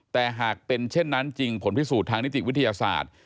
แต่หากเป็นเช่นนั้นจริงผลพิสูจน์ทางนิติวิทยาศาสตร์